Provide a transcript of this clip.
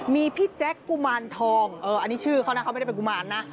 มีพี่แจ๊คกุมารทองอันนี้ชื่อเขานะเขาไม่ได้เป็นกุมารนะ